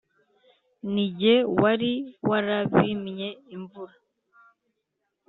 Ni jye wari warabimye imvura